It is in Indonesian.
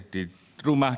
di rumah j